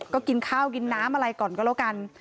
ก็กินข้าวกินน้ำอะไรก่อนก็แล้วกัน